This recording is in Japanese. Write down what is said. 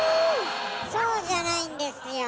そうじゃないんですよ。